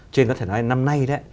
cho nên có thể nói năm nay